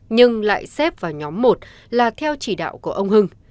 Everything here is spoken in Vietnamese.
nhưng lại xếp vào nhóm một là theo chỉ đạo của ông hưng